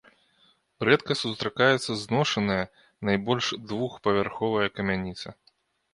Рэдка сустракаецца зношаная, найбольш двухпавярховая камяніца.